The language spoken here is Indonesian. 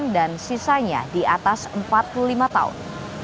dan sisanya di atas empat puluh lima tahun